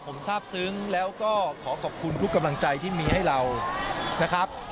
ผมทราบซึ้งแล้วก็ขอขอบคุณทุกกำลังใจที่มีให้เรานะครับ